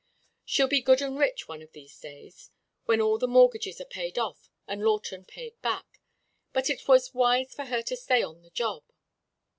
She'll be good and rich one of these days, when all the mortgages are paid off and Lawton paid back, but it was wise for her to stay on the job.